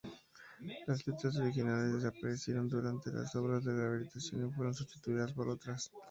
Las letras originales desaparecieron durante las obras de rehabilitación y fueron sustituidas por otras.